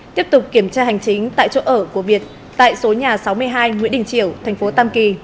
tiếp tục kiểm tra hành chính tại chỗ ở của việt tại số nhà sáu mươi hai nguyễn đình triều thành phố tam kỳ